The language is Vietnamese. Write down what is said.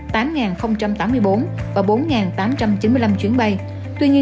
tuy nhiên việt nam airlines đã thực hiện sáu hãng bay trong nước